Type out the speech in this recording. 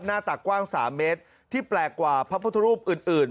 หน้าตักกว้าง๓เมตรที่แปลกกว่าพระพุทธรูปอื่น